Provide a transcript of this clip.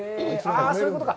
そういうことか！